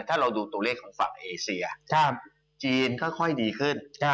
ถ้าเราดูตัวเลขของฝั่งเอเซียจีนค่อยดีขึ้น